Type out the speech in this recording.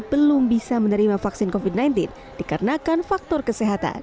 belum bisa menerima vaksin covid sembilan belas dikarenakan faktor kesehatan